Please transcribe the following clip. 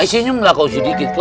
eh senyum lah kau sedikit